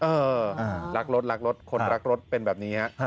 เออรักรถรักรถคนรักรถเป็นแบบนี้ฮะ